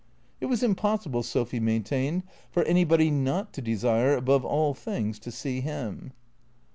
It was impossible, Sophy maintained, for anybody not to desire above all things to see him.